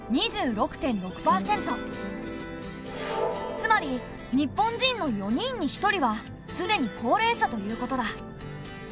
つまり日本人の４人に１人はすでに高齢者ということだ。